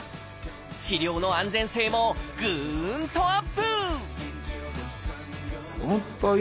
治療の安全性もぐんとアップ！